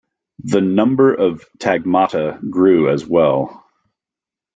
The number of tagmata grew as well.